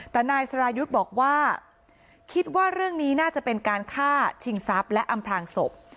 แต่นายสรายุทธ์บอกว่าคิดว่าเรื่องนี้น่าจะเป็นการฆ่าชิงทรัพย์และอำพลางศพ